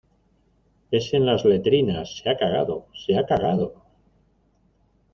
es en las letrinas. se ha cagado .¡ se ha cagado!